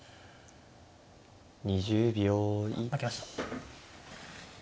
２０秒。